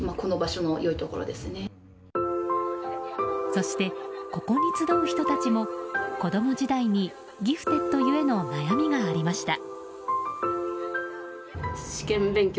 そして、ここに集う人たちも子供時代にギフテッドゆえの悩みがありました。